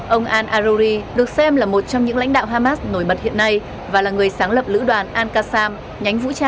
ông al aruri được xem là một trong những lãnh đạo hamas nổi bật hiện nay và là người sáng lập lữ đoàn al qaeda